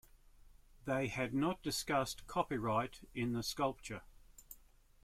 They had not discussed copyright in the sculpture.